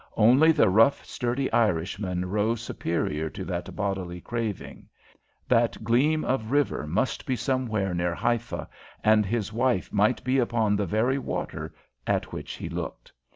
Only the rough, sturdy Irishman rose superior to that bodily craving. That gleam of river must be somewhere near Haifa, and his wife might be upon the very water at which he looked.